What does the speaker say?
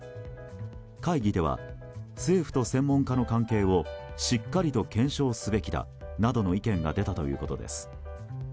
会議では政府と専門家の関係をしっかりと検証すべきだなどの意見が出たということです。